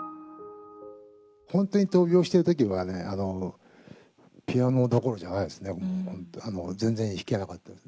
本当に闘病してるときはね、ピアノどころじゃないですね、もう、全然弾けなかったです。